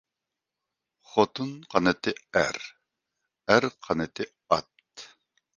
خوتۇن قانىتى ئەر، ئەر قانىتى ئات.